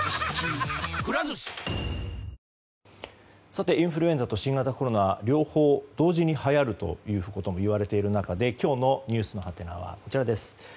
さて、インフルエンザと新型コロナ両方同時にはやるということもいわれている中で、今日のｎｅｗｓのハテナはこちらです。